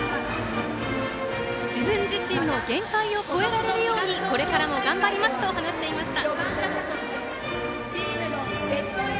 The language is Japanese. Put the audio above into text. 自分自身の限界を超えられるようにこれからも頑張りますと話していました。